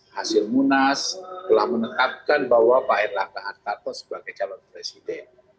hasil munas telah menetapkan bahwa pak erlangga hartarto sebagai calon presiden